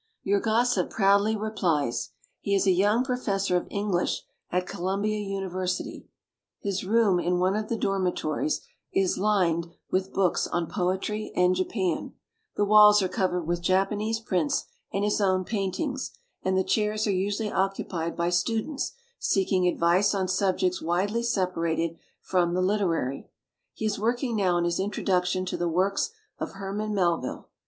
Your Gossip proudly replies. He is a young professor of English at Co lumbia University, New York. His room in one of the dormitories is lined with books on poetry and Japan, the walls are covered with Japanese prints and his own paintings, and the chairs are usually occupied by students seek ing advice on subjects widely sepa rated from the literary. He is work ing now on his introduction to the works of Herman Melville.